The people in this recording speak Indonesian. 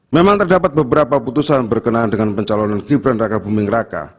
memang terdapat beberapa putusan berkenaan dengan pencalonan gibran raka buming raka